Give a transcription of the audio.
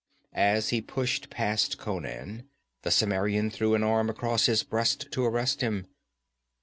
As he pushed past Conan, the Cimmerian threw an arm across his breast to arrest him.